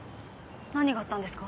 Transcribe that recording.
何があったんですか？